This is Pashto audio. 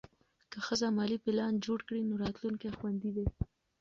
که ښځه مالي پلان جوړ کړي، نو راتلونکی خوندي دی.